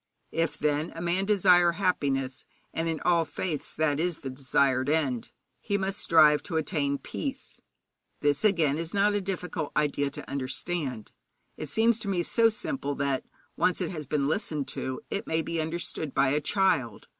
If, then, a man desire happiness and in all faiths that is the desired end he must strive to attain peace. This, again, is not a difficult idea to understand. It seems to me so simple that, when once it has been listened to, it may be understood by a child.